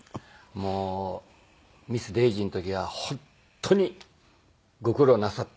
もう『ミス・デイジー』の時は本当にご苦労なさった。